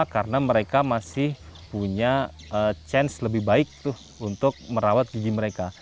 karena mereka masih punya chance lebih baik untuk merawat gigi mereka